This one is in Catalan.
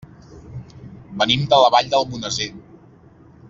Venim de la Vall d'Almonesir.